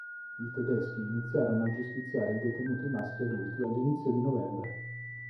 I tedeschi iniziarono a giustiziare i detenuti maschi adulti all'inizio di novembre.